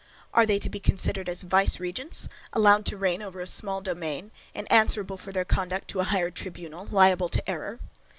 Are they to be considered as viceregents, allowed to reign over a small domain, and answerable for their conduct to a higher tribunal, liable to error?